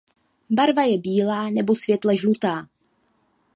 Barva je bílá nebo světle žlutá.